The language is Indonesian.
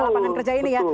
lapangan kerja ini ya